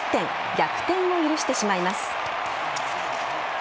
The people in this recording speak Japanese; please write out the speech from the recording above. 逆転を許してしまいます。